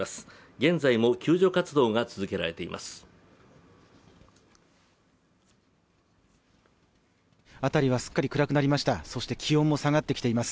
現在も救助活動が続けられています。